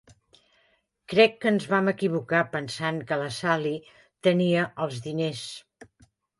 Crec que ens van equivocar pensant que la Sally tenia els diners.